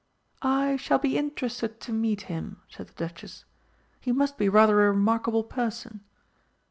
"I shall be interested to meet him," said the Duchess. "He must be rather a remarkable person."